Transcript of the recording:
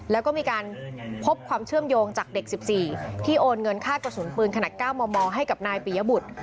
แล้วก็มีการพบความเชื่อมโยงจากเด็ก๑๔ที่โอนเงินค่ากระสุนปืนขนาด๙มมให้กับนายปียบุตร